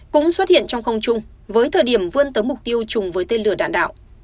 cũng xuất hiện trong không chung với thời điểm vươn tới mục tiêu chung với tên lửa đạn đạo